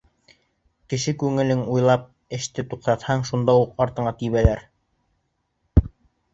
Кеше күңелен уйлап эште туҡтатһаң, шунда уҡ артыңа тибәләр!